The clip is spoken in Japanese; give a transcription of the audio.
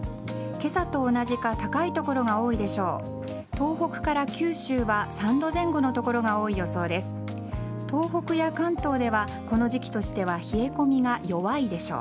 今朝と同じか高い所が多いでしょう。